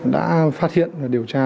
đã phát hiện ra